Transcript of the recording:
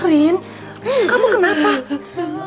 rin kamu kenapa